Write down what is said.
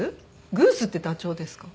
グースってダチョウですか？